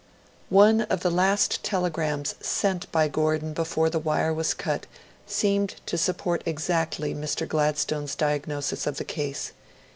One of the last telegrams sent by Gordon before the wire was cut seemed to support exactly Mr. Gladstone's diagnosis of the case.